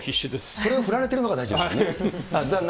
それを振られてるのが大臣ですもんね。